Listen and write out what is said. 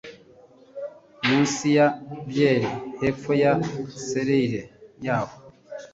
Munsi ya byeri hepfo ya selire yaho